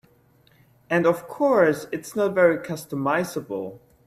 And of course, it's not very customizable.